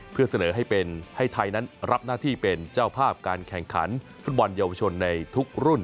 เพื่อเสนอให้เป็นให้ไทยนั้นรับหน้าที่เป็นเจ้าภาพการแข่งขันฟุตบอลเยาวชนในทุกรุ่น